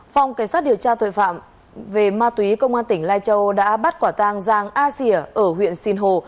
phòng cảnh sát điều tra tội phạm về ma túy công an tỉnh lai châu đã bắt quả tàng giang a xỉa ở huyện sinh hồ